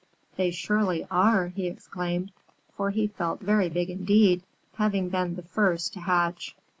"They surely are!" he exclaimed, for he felt very big indeed, having been the first to hatch.